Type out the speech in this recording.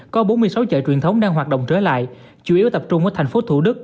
có bốn mươi sáu chợ truyền thống đang hoạt động trở lại chủ yếu tập trung ở thành phố thủ đức